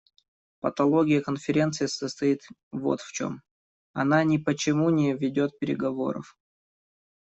Патология Конференции состоит вот в чем: она ни по чему не ведет переговоров.